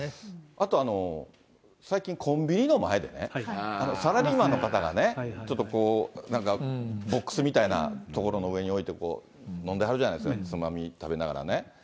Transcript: あと、最近、コンビニの前でね、サラリーマンの方がね、ちょっとこう、なんか、ボックスみたいな所の上に置いて、こう、飲んではるじゃないですか、つまみ食べながらね。